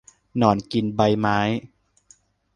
หนอนกินใบไม้